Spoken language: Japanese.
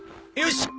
よし！